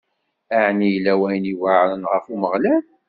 Ɛni yella wayen iweɛṛen ɣef Umeɣlal?